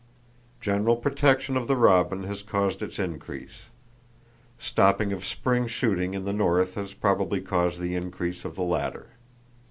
General protection of the robin has caused its increase; stopping of spring shooting in the North has probably caused the increase of the latter.